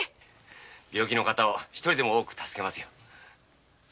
病人を一人でも多く助けますよ。